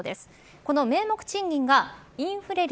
この名目賃金が、インフレ率。